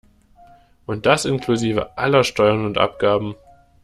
Und das inklusive aller Steuern und Abgaben.